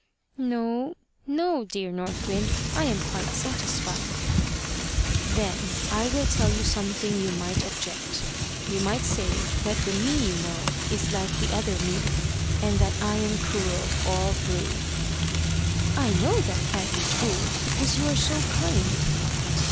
"No, no, dear North Wind; I am quite satisfied." "Then I will tell you something you might object. You might say that the me you know is like the other me, and that I am cruel all through." "I know that can't be, because you are so kind."